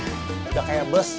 ganti udah kayak bus